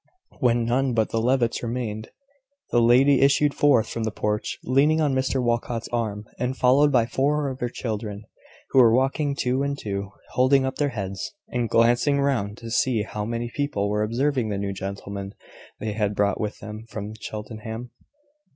When none but the Levitts remained, the lady issued forth from the porch, leaning on Mr Walcot's arm, and followed by four of her children, who were walking two and two, holding up their heads, and glancing round to see how many people were observing the new gentleman they had brought with them from Cheltenham.